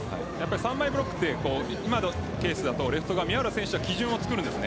３枚ブロックって今のケースだとレフトの宮浦選手が基準を作るんです。